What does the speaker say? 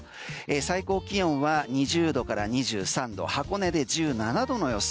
最高気温は２０度から２３度箱根で１７度の予想。